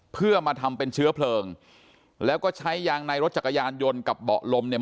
เพื่อมาทำเป็นเชื้อเพลิงแล้วก็ใช้ยางในรถจักรยานยนต์กับเบาะลมเนี่ย